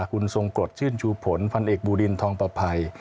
คุณทรงกรดชื่นชูผลพันเอกบูรินทองประภัย